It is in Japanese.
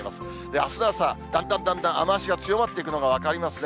あすの朝、だんだんだんだん雨足が強まっていくのが分かりますね。